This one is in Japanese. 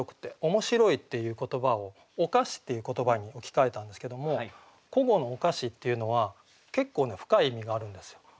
「面白い」っていう言葉を「をかし」っていう言葉に置き換えたんですけども古語の「をかし」っていうのは結構深い意味があるんですよ。